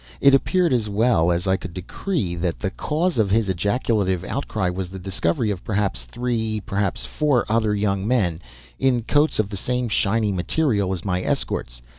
It appeared, as well as I could decree, that the cause of his ejaculative outcry was the discovery of perhaps three, perhaps four, other young men, in coats of the same shiny material as my escorts.